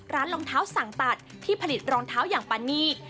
รองเท้าสั่งตัดที่ผลิตรองเท้าอย่างปานีต